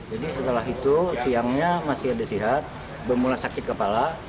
jadi setelah itu siangnya masih ada sihat bermula sakit kepala